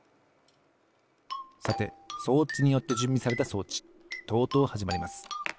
さて装置によってじゅんびされた装置とうとうはじまります。